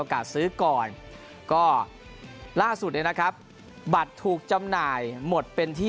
ซื้อก่อนก็ล่าสุดเนี่ยนะครับบัตรถูกจำหน่ายหมดเป็นที่